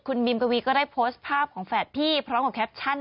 คุณแม่ก็เย็นแล้วก็ดีแล้วล่ะ